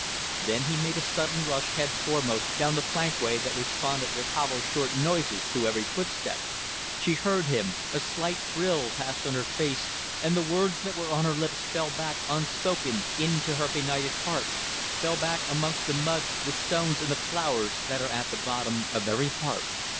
Then he made a sudden rush head foremost down the plankway that responded with hollow, short noises to every footstep. She heard him. A slight thrill passed on her face and the words that were on her lips fell back unspoken into her benighted heart; fell back amongst the mud, the stones and the flowers, that are at the bottom of every heart.